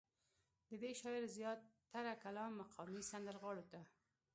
ددې شاعر زيات تره کلام مقامي سندرغاړو ته